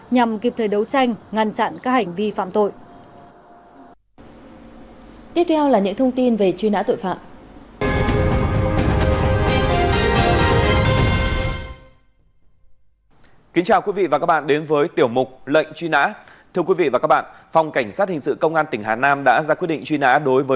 nhằm kịp thời đấu tranh ngăn chặn các hành vi phạm tội